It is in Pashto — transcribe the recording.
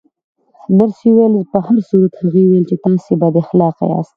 نرسې وویل: په هر صورت، هغې ویل چې تاسې بد اخلاقه یاست.